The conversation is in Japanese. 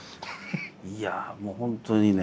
いやあもう本当にね。